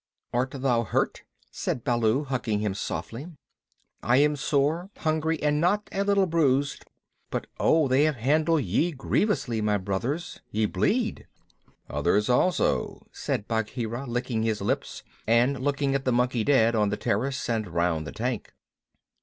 "Art thou hurt?" said Baloo, hugging him softly. "I am sore, hungry, and not a little bruised. But, oh, they have handled ye grievously, my Brothers! Ye bleed." "Others also," said Bagheera, licking his lips and looking at the monkey dead on the terrace and round the tank.